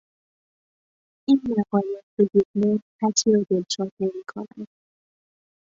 این مقاله به جز ما کسی را دلشاد نمیکند.